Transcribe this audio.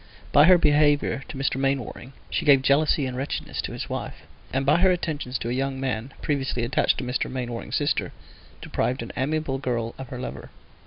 By her behaviour to Mr. Mainwaring she gave jealousy and wretchedness to his wife, and by her attentions to a young man previously attached to Mr. Mainwaring's sister deprived an amiable girl of her lover.